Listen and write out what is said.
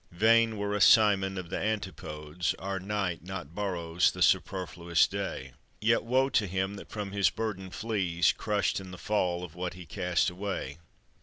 Vain were a Simon; of the Antipodes Our night not borrows the superfluous day. Yet woe to him that from his burden flees, Crushed in the fall of what he cast away.